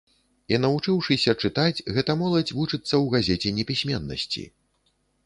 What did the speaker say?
І, навучыўшыся чытаць, гэта моладзь вучыцца ў газеце непісьменнасці.